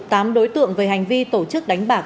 tám đối tượng về hành vi tổ chức đánh bạc